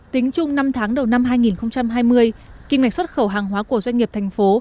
tính chung năm tháng đầu năm hai nghìn hai mươi kim ngạch xuất khẩu hàng hóa của doanh nghiệp thành phố